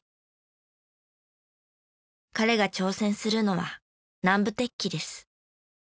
彼が挑戦するのは南部鉄器です。